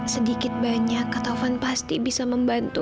sedikit banyak ketahuan pasti bisa membantu